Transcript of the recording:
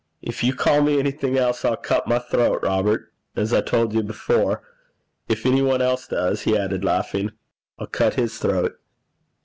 'If you call me anything else, I'll cut my throat, Robert, as I told you before. If any one else does,' he added, laughing, 'I'll cut his throat.'